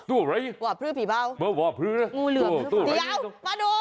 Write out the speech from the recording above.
ตัวอะไรหวับพื้นผีเบาหวับพื้นงูเหลือตัวอะไรมาดู